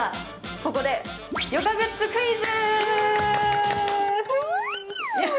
ここで、ヨガグッズクイズ。